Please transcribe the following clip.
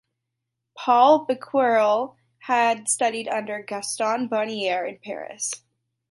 Paul Becquerel had studied under Gaston Bonnier in Paris.